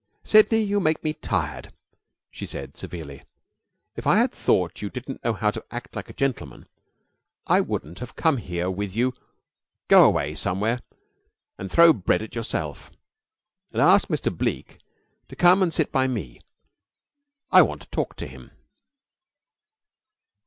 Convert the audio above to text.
"Sidney, you make me tired," she said severely. "If I had thought you didn't know how to act like a gentleman I wouldn't have come here with you. Go away somewhere and throw bread at yourself, and ask Mr. Bleke to come and sit by me. I want to talk to him."